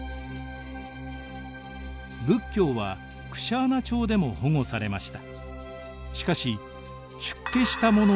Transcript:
仏教はクシャーナ朝でも保護されました。